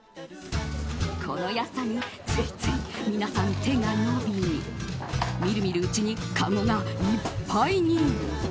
この安さについつい皆さん手が伸び見る見るうちにかごがいっぱいに。